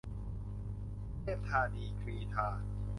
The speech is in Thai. เทพธานีกรีฑา